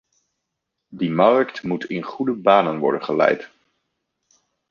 Die markt moet in goede banen worden geleid.